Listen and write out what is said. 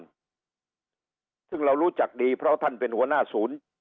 ซึ่งเรารู้จักดีเพราะท่านเป็นหัวหน้าศูนย์